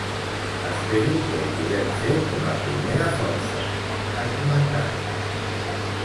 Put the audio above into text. Espero que ho puguem fer com a primera força, ha comentat.